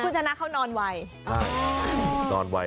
คือจะนั่กเขานอนไว